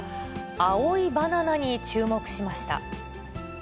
青いバナナに注目しました。